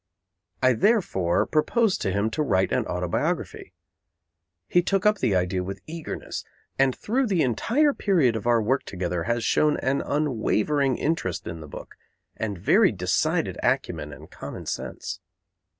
I therefore proposed to him to write an autobiography. He took up the idea with eagerness, and through the entire period of our work together, has shown an unwavering interest in the book and very decided acumen and common sense.